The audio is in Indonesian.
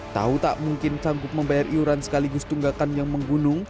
tahu tak mungkin sanggup membayar iuran sekaligus tunggakan yang menggunung